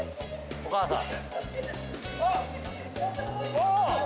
お母さん。